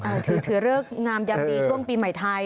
ถือเลือกงามยังมีช่วงปีใหม่ไทย